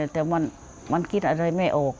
แต่มันคิดอะไรไม่ออก